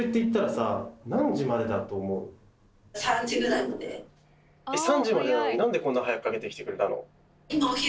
３時までなのになんでこんな早くかけてきてくれたの？